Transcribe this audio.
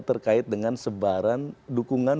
terkait dengan sebaran dukungan